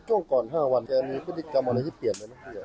ช่วงก่อน๕วันแกมีพฤติกรรมอะไรที่เปลี่ยนไหมเฮีย